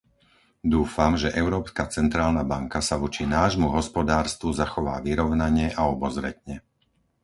Dúfam, že Európska centrálna banka sa voči nášmu hospodárstvu zachová vyrovnane a obozretne.